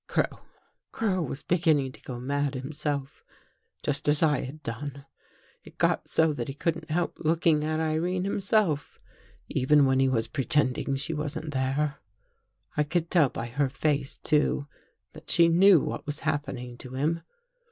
Crow — Crow was begin ning to go mad himself, just as I had done. It got so that he couldn't help looking at Irene himself, even when he was pretending she wasn't there. I could tell by her face, too, that she knew what was happening to him.